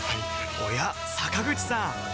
おや坂口さん